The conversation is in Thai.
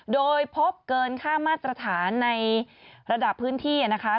โดยพบเกินค่ามาตรฐานในระดับพื้นที่นะคะ